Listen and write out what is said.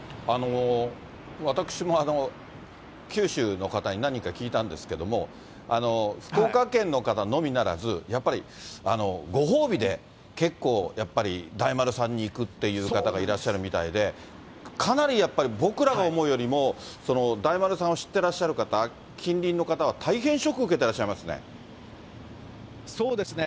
私も九州の方に何人か聞いたんですけれども、福岡県の方のみならず、やっぱりご褒美で、結構やっぱり、大丸さんに行くっていう方がいらっしゃるみたいで、かなりやっぱり僕らが思うよりも、大丸さん知ってらっしゃる方、近隣の方は、大変ショック受けてらそうですね。